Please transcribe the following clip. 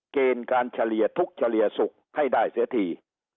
เกณฑ์การเฉลี่ยทุกข์เฉลี่ยสุขให้ได้เสียที